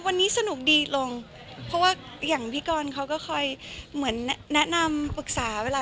วันนี้สนุกดีลงเพราะว่าอย่างพี่กรเขาก็คอยเหมือนแนะนำปรึกษาเวลา